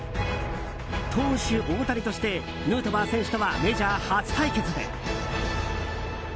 投手・大谷としてヌートバー選手とはメジャー初対決で。